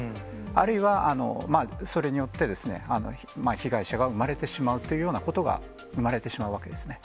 あるいはそれによって、被害者が生まれてしまうというようなことが、生まれてしまうわけですね。